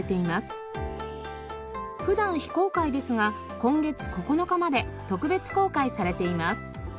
普段非公開ですが今月９日まで特別公開されています。